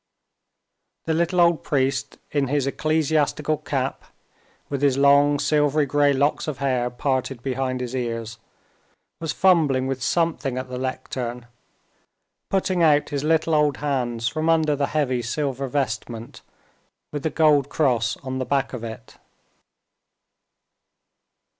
The little old priest in his ecclesiastical cap, with his long silvery gray locks of hair parted behind his ears, was fumbling with something at the lectern, putting out his little old hands from under the heavy silver vestment with the gold cross on the back of it.